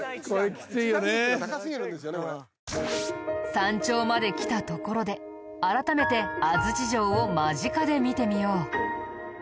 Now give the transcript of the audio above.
山頂まで来たところで改めて安土城を間近で見てみよう。